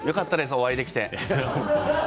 お会いできて。